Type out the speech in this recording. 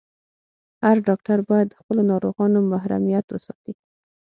هر ډاکټر باید د خپلو ناروغانو محرميت وساتي.